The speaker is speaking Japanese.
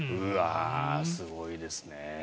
すごいですね。